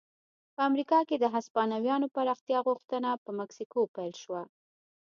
په امریکا کې د هسپانویانو پراختیا غوښتنه په مکسیکو پیل شوه.